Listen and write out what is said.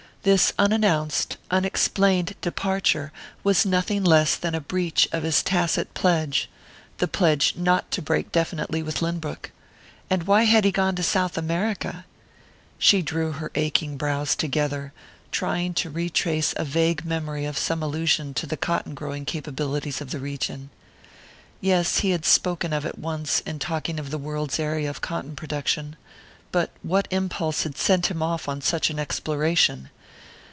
This unannounced, unexplained departure was nothing less than a breach of his tacit pledge the pledge not to break definitely with Lynbrook. And why had he gone to South America? She drew her aching brows together, trying to retrace a vague memory of some allusion to the cotton growing capabilities of the region.... Yes, he had spoken of it once in talking of the world's area of cotton production. But what impulse had sent him off on such an exploration?